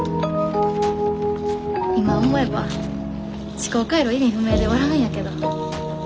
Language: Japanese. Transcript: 今思えば思考回路意味不明で笑うんやけど。